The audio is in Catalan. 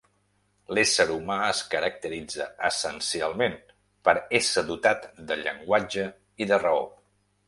L'ésser humà es caracteritza essencialment per ésser dotat de llenguatge i de raó.